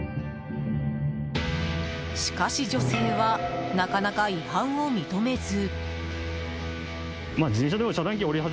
しかし、女性はなかなか違反を認めず。